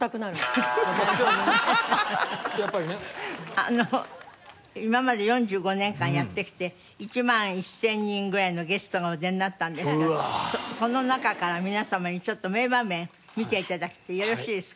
あの今まで４５年間やってきて１万１０００人ぐらいのゲストがお出になったんですけどその中から皆様にちょっと名場面見て頂いてよろしいですか？